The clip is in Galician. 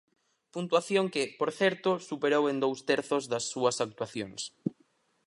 Puntuación que, por certo, superou en dous terzos das súas actuacións.